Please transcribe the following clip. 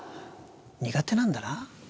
苦手なんだな？